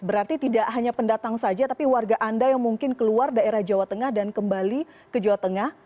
berarti tidak hanya pendatang saja tapi warga anda yang mungkin keluar daerah jawa tengah dan kembali ke jawa tengah